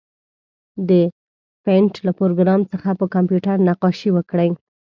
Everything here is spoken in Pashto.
د پېنټ له پروګرام څخه په کمپیوټر نقاشي وکړئ.